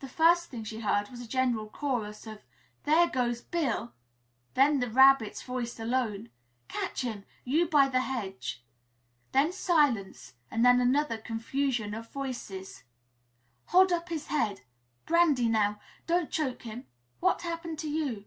The first thing she heard was a general chorus of "There goes Bill!" then the Rabbit's voice alone "Catch him, you by the hedge!" Then silence and then another confusion of voices "Hold up his head Brandy now Don't choke him What happened to you?"